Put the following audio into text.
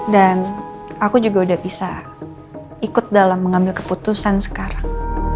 dan aku juga udah bisa ikut dalam mengambil keputusan sekarang